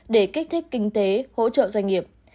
để kích thích kinh tế hỗ trợ doanh nghiệp